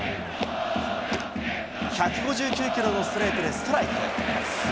１５９キロのストレートでストライク。